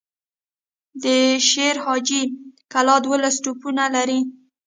د شير حاجي کلا دولس توپونه لري.